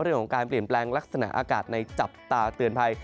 เรื่องของการเปลี่ยนแปลงลักษณะอากาศในจับตาเตือนภัย